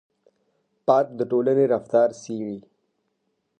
پارک د ټولنې رفتار څېړي.